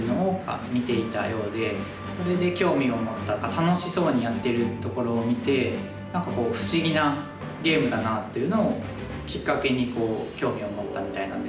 楽しそうにやってるところを見て何か不思議なゲームだなっていうのをきっかけに興味を持ったみたいなんですけど。